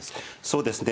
そうですね。